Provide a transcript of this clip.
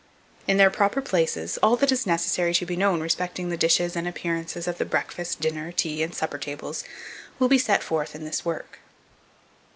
In their proper places, all that is necessary to be known respecting the dishes and appearance of the breakfast, dinner, tea, and supper tables, will be set forth in this work.